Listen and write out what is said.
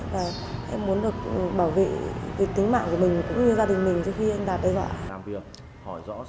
và em muốn được bảo vệ tính mạng của mình cũng như gia đình mình trước khi anh đạt đe dọa